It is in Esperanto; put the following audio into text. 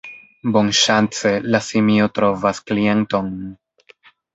Bonŝance, la simio trovas klienton.